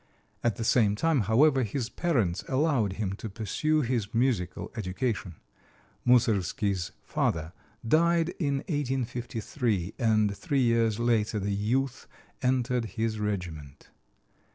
At the same time, however, his parents allowed him to pursue his musical education. Moussorgsky's father died in 1853, and three years later the youth entered his regiment.